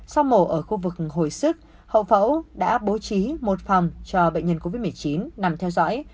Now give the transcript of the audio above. sau mổ ở khu vực hồi sức hậu phẫu đã bố trí một phòng cho bệnh nhân covid một mươi chín nằm theo dõi